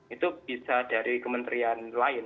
itu bisa dari kementerian lain